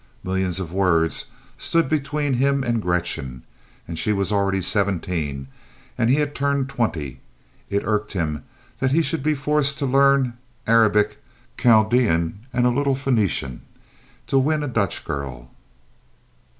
Millions of words stood between him and Gretchen, and she was already seventeen and he had turned twenty. It irked him that he should be forced to learn Arabic, Chaldean and a little Phoenician to win a Dutch girl.